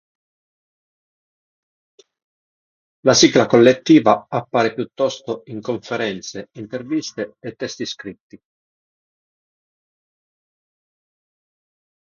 La sigla collettiva appare piuttosto in conferenze, interviste e testi scritti.